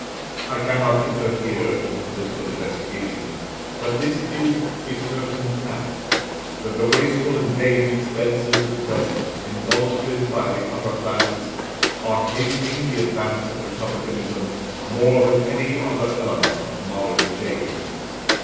I cannot enter here into political investigation; but this is a certain fact, that the wasteful and vain expenses at present indulged in by the upper classes are hastening the advance of republicanism more than any other element of modern change.